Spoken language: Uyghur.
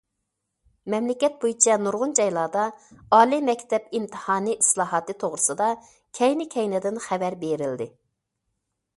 مەملىكەت بويىچە نۇرغۇن جايلاردا ئالىي مەكتەپ ئىمتىھانى ئىسلاھاتى توغرىسىدا كەينى- كەينىدىن خەۋەر بېرىلدى.